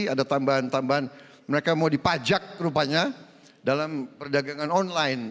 ada tambahan tambahan mereka mau dipajak rupanya dalam perdagangan online